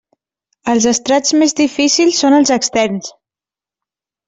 Els estrats més difícils són els externs.